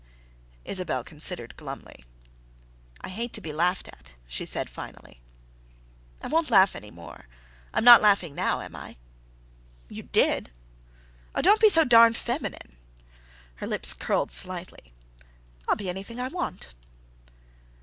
Isabelle considered glumly. "I hate to be laughed at," she said finally. "I won't laugh any more. I'm not laughing now, am I?" "You did." "Oh, don't be so darned feminine." Her lips curled slightly. "I'll be anything I want."